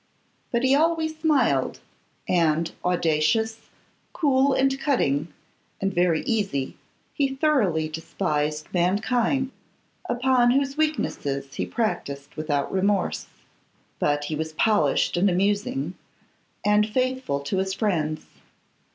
But he always smiled; and audacious, cool, and cutting, and very easy, he thoroughly despised mankind, upon whose weaknesses he practised without remorse. But he was polished and amusing, and faithful to his friends.